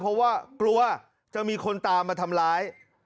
เพราะว่ากลัวจะมีคนตามมาทำร้าย